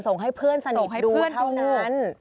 ส่งให้เพื่อนสนิทดูเท่านั้น